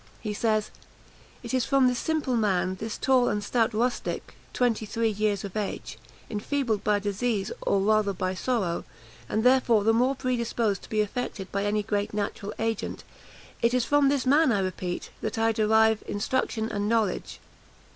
He says, "It is from this simple man, this tall and stout rustic, twenty three years of age, enfeebled by disease, or rather by sorrow, and therefore the more predisposed to be affected by any great natural agent, it is from this man, I repeat, that I derive instruction and knowledge.